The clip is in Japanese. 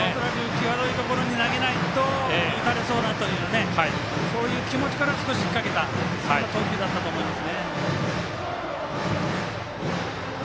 際どいところに投げないと打たれそうだというそういう気持ちから少し引っ掛けたそんな投球だったと思います。